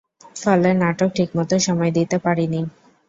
ফলে নাটকে ঠিকমতো সময় দিতে পারিনি।